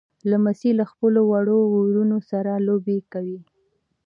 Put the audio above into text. لمسی له خپلو وړو وروڼو سره لوبې کوي.